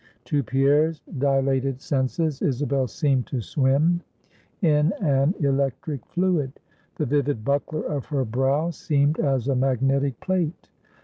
To Pierre's dilated senses Isabel seemed to swim in an electric fluid; the vivid buckler of her brow seemed as a magnetic plate.